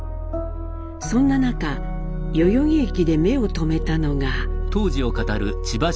そんな中代々木駅で目を留めたのが。